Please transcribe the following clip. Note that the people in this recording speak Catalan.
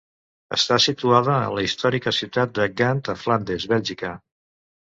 Està situada en la històrica ciutat de Gant a Flandes, Bèlgica.